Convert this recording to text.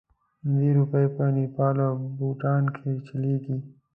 هندي روپۍ په نیپال او بوتان کې چلیږي.